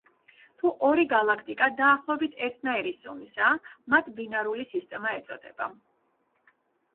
თუ ორი გალაქტიკა დაახლოებით ერთნაირი ზომისაა, მათ ბინარული სისტემა ეწოდება.